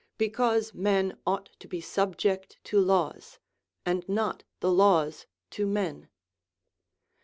Because men ought to be sub ject to laws, and not the laws to men.